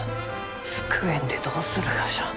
救えんでどうするがじゃ？